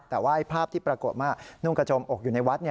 แต่ว่าภาพที่ปรากฏว่านุ่งกระโจมอกอยู่ในวัด